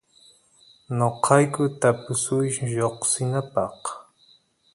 noqayku tapusuysh lloksinapaq